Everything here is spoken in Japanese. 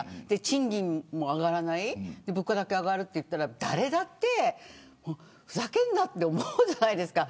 賃金も上がらない物価だけ上がるといったら誰だってふざけんなと思うじゃないですか。